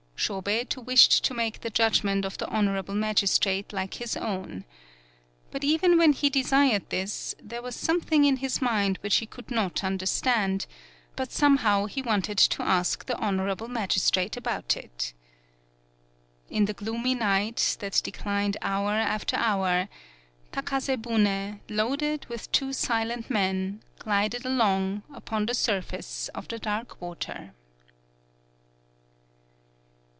Shobei wished to make the judgment of the Honorable Magis trate like his own. But even when he desired this, there was something in his mind which he could not understand, but somehow he wanted to ask the Honorable Magistrate about it. In the gloomy night, that declined hour after hour, Takase bune, loaded with two silent men, glided along upon the surface of the dark water.